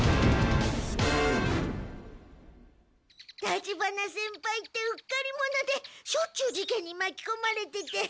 立花先輩ってうっかり者でしょっちゅう事件にまきこまれてて。